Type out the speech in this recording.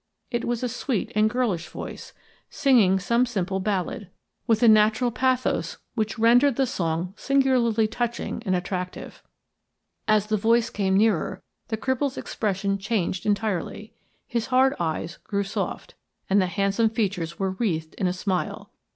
It was a sweet and girlish voice, singing some simple ballad, with a natural pathos which rendered the song singularly touching and attractive. As the voice came nearer the cripple's expression changed entirely; his hard eyes grew soft, and the handsome features were wreathed in a smile.